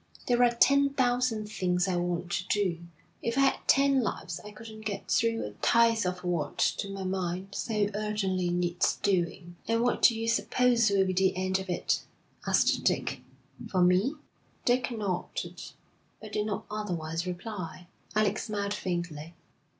There are ten thousand things I want to do. If I had ten lives I couldn't get through a tithe of what, to my mind, so urgently needs doing.' 'And what do you suppose will be the end of it?' asked Dick. 'For me?' Dick nodded, but did not otherwise reply. Alec smiled faintly.